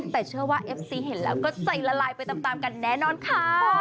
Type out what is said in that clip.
แต่เชื่อว่าเอฟซีเห็นแล้วก็ใจละลายไปตามกันแน่นอนค่ะ